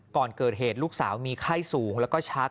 ก่อนเกิดเหตุลูกสาวมีไข้สูงแล้วก็ชัก